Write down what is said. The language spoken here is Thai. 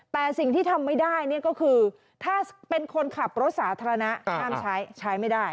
แต่สิ่งที่ทำไม่ได้เนี่ยก็คือถ้าเป็นคนขับรถสาธารณะห้ามใช้ใช้ไม่ได้